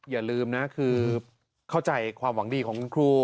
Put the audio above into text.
อย่าลืมนะคือเข้าใจความหวังดีของคุณครู